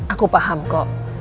aku paham kok